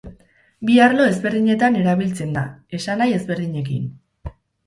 Bi arlo ezberdinetan erabiltzen da, esanahi ezberdinekin.